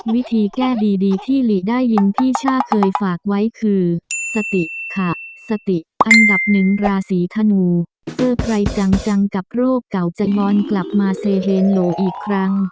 วิธีแก้ดีที่หลีได้ยินพี่ช่าเคยฝากไว้คือสติค่ะสติอันดับหนึ่งราศีธนูเพื่อใครจังกับโรคเก่าจะง้อนกลับมาเซเฮนโลอีกครั้ง